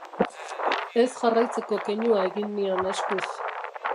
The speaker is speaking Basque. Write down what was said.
Ez jarraitzeko keinua egin nion eskuz.